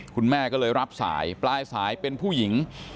คุณแม่ก็เลยรับสายปลายสายเป็นผู้หญิง